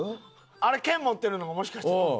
あれ剣持ってるのがもしかしてノブ？